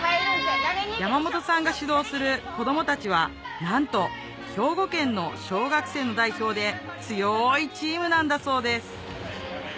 山本さんが指導する子供たちはなんと兵庫県の小学生の代表で強いチームなんだそうです